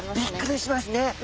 びっくりしますね。